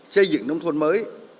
xây dựng nông thôn mới